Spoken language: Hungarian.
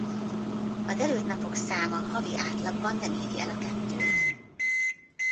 A derült napok száma havi átlagban nem éri el a kettőt.